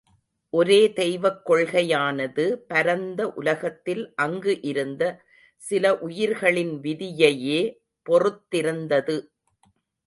ஒரே தெய்வக் கொள்கையானது, பரந்த உலகத்தில் அங்கு இருந்த சில உயிர்களின் விதியையே பொறுத்திருந்தது.